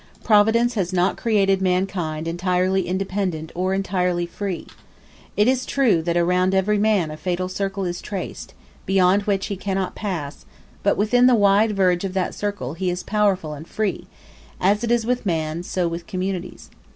Providence has not created mankind entirely independent or entirely free. It is true that around every man a fatal circle is traced, beyond which he cannot pass; but within the wide verge of that circle he is powerful and free: as it is with man, so with communities.